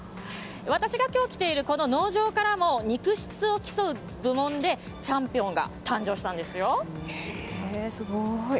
私が今日来ている農場からも肉質を競う部門でチャンピオンが誕生したんですよ。